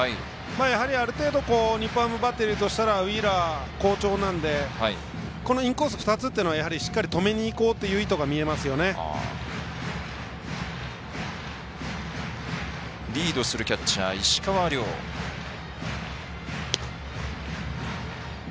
ある程度日本ハムバッテリーとしたらウィーラーは好調なのでインコース２つというのはしっかり止めにいこうという意図が見えますよね。